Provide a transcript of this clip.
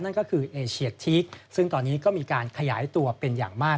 นั่นก็คือเอเชียทีกซึ่งตอนนี้ก็มีการขยายตัวเป็นอย่างมาก